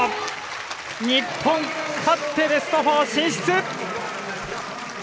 日本、勝ってベスト４進出！